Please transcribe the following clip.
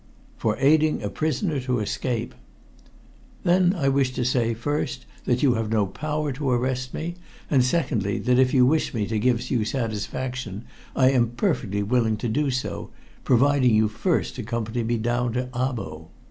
"For aiding a prisoner to escape." "Then I wish to say, first, that you have no power to arrest me; and, secondly, that if you wish me to give you satisfaction, I am perfectly willing to do so, providing you first accompany me down to Abo."